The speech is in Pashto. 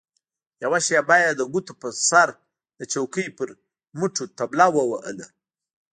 يوه شېبه يې د ګوتو په سر د چوکۍ پر مټو طبله ووهله.